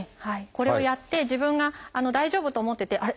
これをやって自分が大丈夫と思っててあれ？